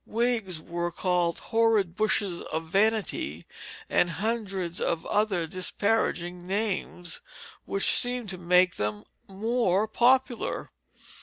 Wigs were called horrid bushes of vanity, and hundreds of other disparaging names, which seemed to make them more popular.